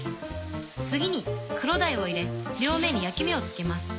次に黒鯛を入れ両面に焼き目をつけます。